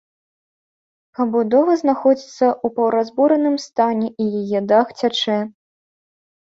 Пабудова знаходзіцца ў паўразбураным стане і яе дах цячэ.